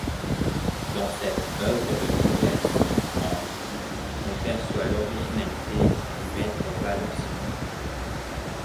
Dans cette œuvre de jeunesse ans, on perçoit l'originalité du maître valencien.